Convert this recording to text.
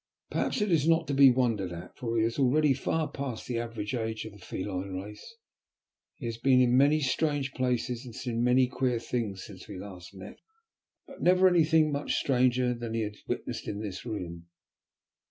Perhaps it is not to be wondered at, for he is already far past the average age of the feline race. He has been in many strange places, and has seen many queer things since last we met, but never anything much stranger than he has witnessed in this room."